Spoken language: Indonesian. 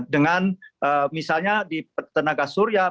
dengan misalnya di tenaga surya